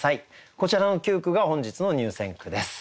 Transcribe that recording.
こちらの９句が本日の入選句です。